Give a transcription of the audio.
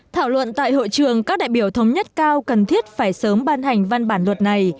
thảo luận tại hội trường các đại biểu thống nhất cao cần thiết phải sớm ban hành văn bản luật này